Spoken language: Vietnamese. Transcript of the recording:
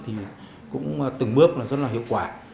thì cũng từng bước là rất là hiệu quả